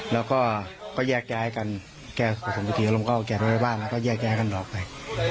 แล้วก็แยกแก่ให้กันแก่สมบัติธรรมก็แกะไว้บ้างแล้วก็แยกแก่ให้กันออกไป